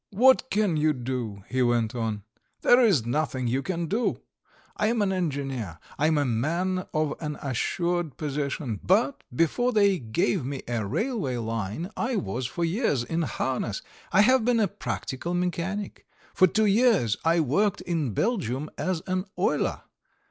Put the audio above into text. "What can you do?" he went on. "There is nothing you can do! I am an engineer. I am a man of an assured position, but before they gave me a railway line I was for years in harness; I have been a practical mechanic. For two years I worked in Belgium as an oiler.